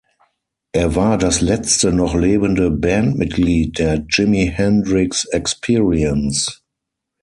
Er war das letzte noch lebende Bandmitglied der "Jimi Hendrix Experience".